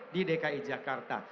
di dki jakarta